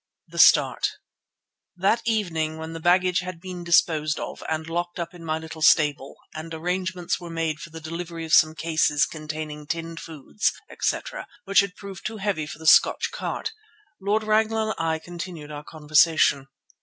THE START That evening when the baggage had been disposed of and locked up in my little stable and arrangements were made for the delivery of some cases containing tinned foods, etc., which had proved too heavy for the Scotch cart, Lord Ragnall and I continued our conversation.